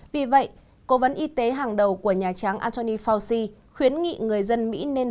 vì vậy cố vấn y tế hàng đầu của nhà trắng anthony fauci khuyến nghị người dân mỹ nên